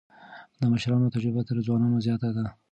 د مشرانو تجربه تر ځوانانو زياته ده.